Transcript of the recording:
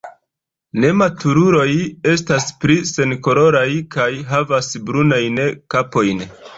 Nematuruloj estas pli senkoloraj kaj havas brunajn kapojn.